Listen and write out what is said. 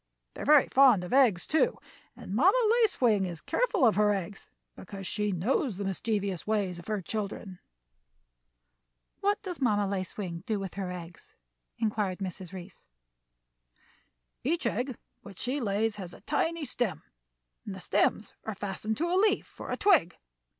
They are very fond of eggs, too, and Mamma Lace Wing is careful of her eggs, because she knows the mischievous ways of her children." "What does Mamma Lace Wing do with her eggs?" inquired Mrs. Reece. "Each egg which she lays has a tiny stem, and the stems are fastened to a leaf or twig.